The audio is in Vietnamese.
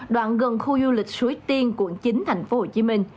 đoạn gần khu du lịch suối tiên quận chín tp hcm